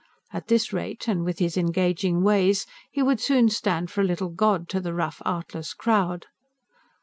At this rate, and with his engaging ways, he would soon stand for a little god to the rough, artless crowd.